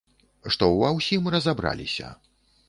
Што ва ўсім разабраліся.